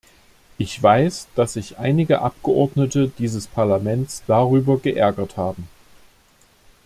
Ich weiß, dass sich einige Abgeordnete dieses Parlaments darüber geärgert haben.